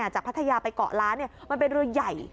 พัทยาไปเกาะล้านมันเป็นเรือใหญ่